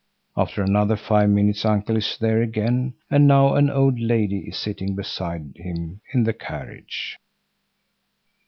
After another five minutes uncle is there again, and now an old lady is sitting beside him in the carriage.